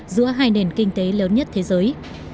giữa hai nền kinh tế lớn nhất thế giới